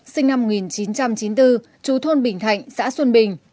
sinh năm một nghìn chín trăm chín mươi bốn chú thôn bình thạnh xã xuân bình